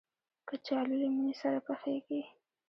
کچالو له مېنې سره پخېږي